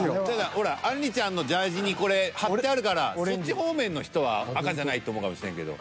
ほらあんりちゃんのジャージーにこれ貼ってあるからそっち方面の人は赤じゃないと思うかもしれんけど。